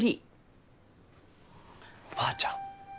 おばあちゃん。